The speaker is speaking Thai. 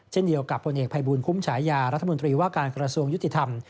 เช่นเดียวกับผลเอกภัยบูลคุ้มฉายารัฐมนตรีว่าการกระทรวงยุติธรรม